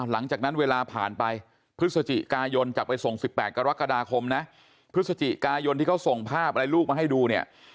หลังจากนั้นเวลาผ่านไปพฤศจิกายนจากไปส่ง๑๘กรกฎาคมนะพฤศจิกายนที่เขาส่งภาพอะไรลูกมาให้ดูเนี่ย